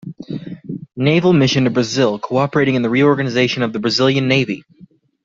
Naval Mission to Brazil, cooperating in the reorganization of the Brazilian Navy.